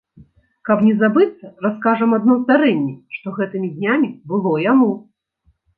Каб не забыцца, раскажам адно здарэнне, што гэтымі днямі было яму.